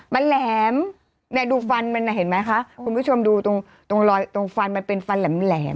มันแหลมเนี่ยดูฟันมันน่ะเห็นไหมคะคุณผู้ชมดูตรงตรงรอยตรงฟันมันเป็นฟันแหลม